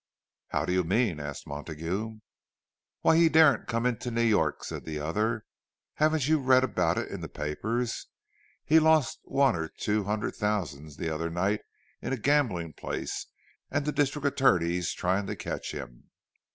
"How do you mean?" asked Montague. "Why, he daren't come into New York," said the other. "Haven't you read about it in the papers? He lost one or two hundred thousand the other night in a gambling place, and the district attorney's trying to catch him."